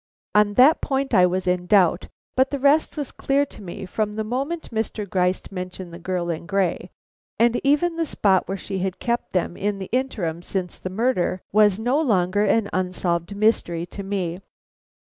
On that point I was in doubt, but the rest was clear to me from the moment Mr. Gryce mentioned the girl in gray; and even the spot where she had kept them in the interim since the murder was no longer an unsolved mystery to me.